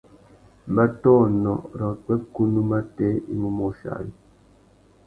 Mbõtônô râ upwêkunú matê i mú môchia ari.